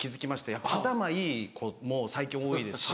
やっぱ頭いい子も最近多いですし。